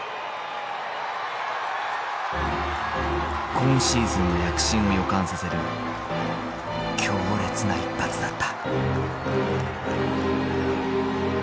今シーズンの躍進を予感させる強烈な一発だった。